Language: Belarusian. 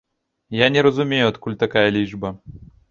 Я не разумею, адкуль такая лічба.